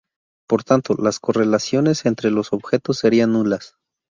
Por tanto, las correlaciones entre los objetos serían nulas.